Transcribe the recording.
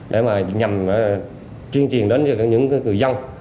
để mà nhằm chuyên truyền đến những người dân